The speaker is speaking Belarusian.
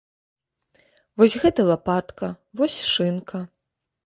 Вось гэта лапатка, вось шынка.